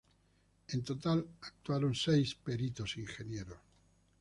En total actuaron seis peritos ingenieros.